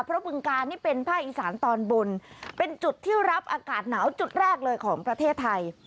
เพราะบึงกาลนี่เป็นภาคอีสานตอนบนเป็นจุดที่รับอากาศหนาวจุดแรกเลยของประเทศไทย